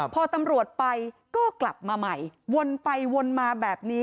พอตำรวจไปก็กลับมาใหม่วนไปวนมาแบบนี้